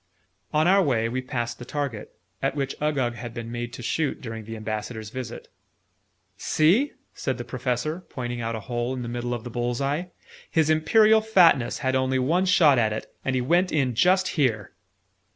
On our way, we passed the target, at which Uggug had been made to shoot during the Ambassador's visit. "See!" said the Professor, pointing out a hole in the middle of the bull's eye. "His Imperial Fatness had only one shot at it; and he went in just here!"